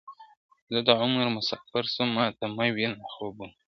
زه د عمر مسافر سوم ماته مه وینه خوبونه ..